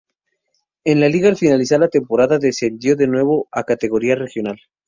En la Liga al finalizar la temporada descendió de nuevo a categoría regional.